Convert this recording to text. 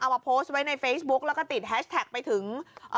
มาโพสต์ไว้ในเฟซบุ๊กแล้วก็ติดแฮชแท็กไปถึง